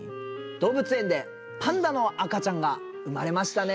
動物園でパンダの赤ちゃんが生まれましたねぇ。